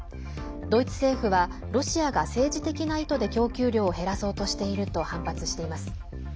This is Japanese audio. ドイツ政府はロシアが政治的な意図で供給量を減らそうとしていると反発しています。